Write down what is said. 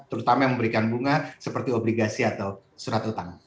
terutama yang memberikan bunga seperti obligasi atau surat hutang